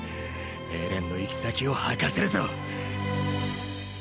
エレンの行き先を吐かせるぞ。